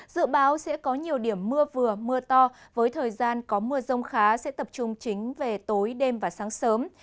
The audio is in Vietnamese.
dự báo sẽ có nhiều điểm mưa vừa mưa to với thời gian có mưa rông khá sẽ tập trung chính về tối đêm và sáng sớm